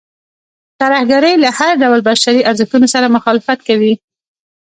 ترهګرۍ له هر ډول بشري ارزښتونو سره مخالفت کوي.